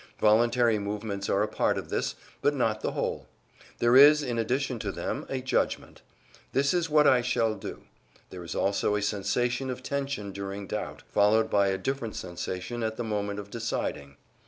Voluntary movements are a part of this, but not the whole. There is, in addition to them, a judgment: "This is what I shall do"; there is also a sensation of tension during doubt, followed by a different sensation at the moment of deciding.